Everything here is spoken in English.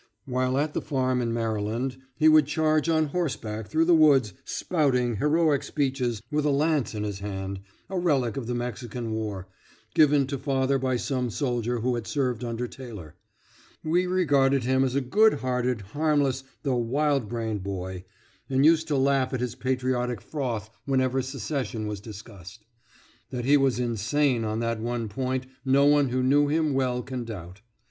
While at the farm in Maryland he would charge on horseback through the woods, "spouting" heroic speeches with a lance in his hand a relic of the Mexican war given to father by some soldier who had served under Taylor. We regarded him as a good hearted, harmless, though wild brained, boy, and used to laugh at his patriotic froth whenever secession was discussed. That he was insane on that one point no one who knew him well can doubt.